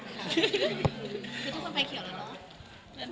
คือทุกคนไฟเขียวแล้วเนอะ